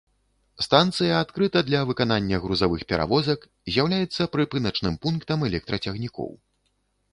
Станцыя адкрыта для выканання грузавых перавозак, з'яўляецца прыпыначным пунктам электрацягнікоў.